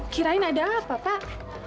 kirain ada apa pak